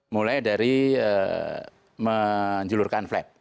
mulai dari menjulurkan flight